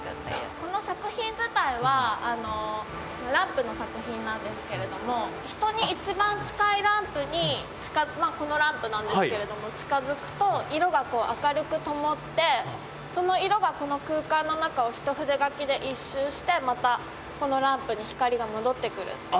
この作品自体はランプの作品なんですけれども人に一番近いランプにこのランプなんですけれども近づくと色がこう明るく灯ってその色がこの空間の中をひと筆書きで一周してまたこのランプに光が戻ってくるっていう。